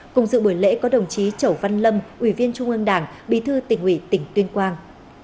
cùng dự buổi lễ có đồng chí chẩu văn lâm ủy viên trung ương đảng bí thư tỉnh ủy tỉnh tuyên quang